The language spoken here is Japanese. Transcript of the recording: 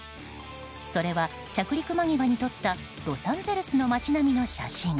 それは着陸間際に撮ったロサンゼルスの街並みの写真。